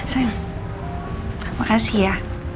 sayang makasih ya